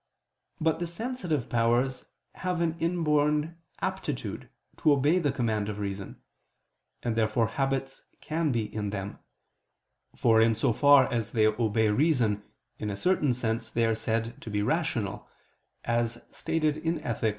But the sensitive powers have an inborn aptitude to obey the command of reason; and therefore habits can be in them: for in so far as they obey reason, in a certain sense they are said to be rational, as stated in _Ethic.